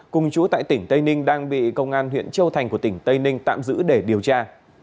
cùng chú tại tỉnh tây ninh đang bị công an huyện châu thành của tỉnh tây ninh tạm giữ để điều tra